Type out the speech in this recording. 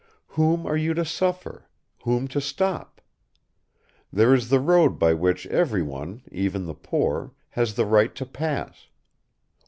Whom are you to suffer, whom to stop?... There is the road by which every one, even the poor, has the right to pass.